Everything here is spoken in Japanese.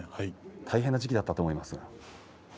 大変な時期だったと思いますけれど。